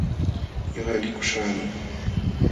Ñuqa likuśhaqmi.